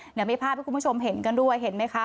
เดี๋ยวมีภาพให้คุณผู้ชมเห็นกันด้วยเห็นไหมคะ